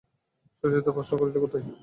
সুচরিতা প্রশ্ন করিল, কোথায়?